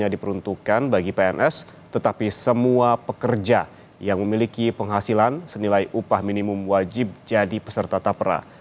diperuntukkan bagi pns tetapi semua pekerja yang memiliki penghasilan senilai upah minimum wajib jadi peserta tapera